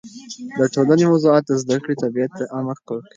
د ټولنې موضوعات د زده کړې طبیعت ته عمق ورکوي.